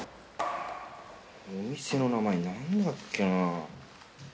お店の名前なんだっけなあ？